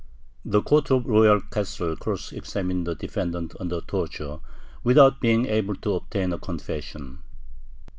The Court of the Royal Castle cross examined the defendant under torture, without being able to obtain a confession.